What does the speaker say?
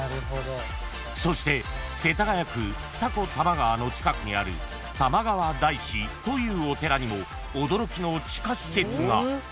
［そして世田谷区二子玉川の近くにある玉川大師というお寺にも驚きの地下施設が］